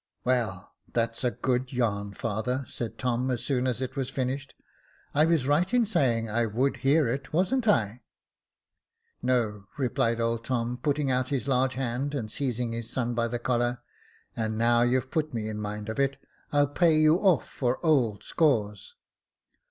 " Well, that's a good yarn, father," said Tom, as soon as it was finished. " I was right in saying I would hear it. Wasn't I ?"" No," rephed old Tom, putting out his large hand, and seizing his son by the collar ;" and now you've put me in mind of it, I'll pay you off for old scores."